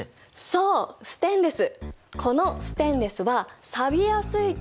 そうステンレス。